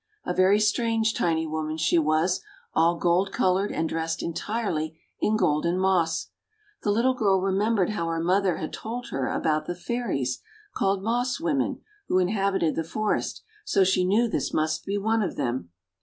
A very strange tiny woman she was, all gold coloured and dressed entirely in golden moss. The little girl remembered how her mother had told her about the Fairies, called Moss Women, who inhabited the forest, so she knew this must be one of them.